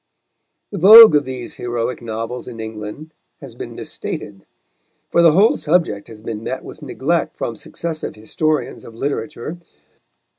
The vogue of these heroic novels in England has been misstated, for the whole subject has but met with neglect from successive historians of literature.